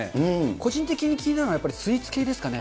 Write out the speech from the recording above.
個人的に気になるのはやっぱり、スイーツ系ですかね。